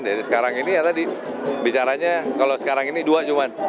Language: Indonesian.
dari sekarang ini ya tadi bicaranya kalau sekarang ini dua cuma